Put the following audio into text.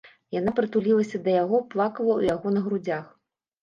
Яна прытулілася да яго, плакала ў яго на грудзях.